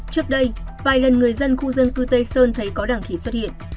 trước đây vài lần người dân khu dân cư tây sơn thấy có đàn khỉ xuất hiện